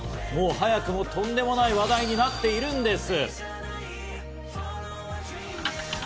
早くもとんでもない話題になっているんです。